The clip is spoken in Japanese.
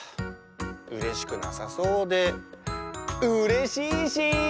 うれしくなさそうでうれしいし！